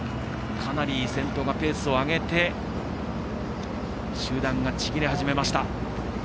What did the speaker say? かなり先頭がペースを上げて集団が、ちぎれ始めました。